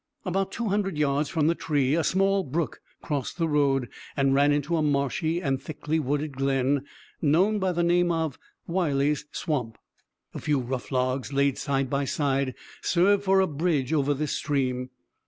About two hundred yards from the tree a small brook crossed the road, and ran into a marshy and thickly wooded glen known by the name of Wiley's Swamp. A few rough logs, laid side by side, served for a bridge over this stream.